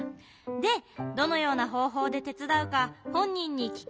でどのようなほうほうでてつだうかほんにんにきくのがいいのかな？